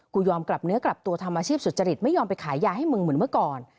ยอมกลับเนื้อกลับตัวทำอาชีพสุจริตไม่ยอมไปขายยาให้มึงเหมือนเมื่อก่อน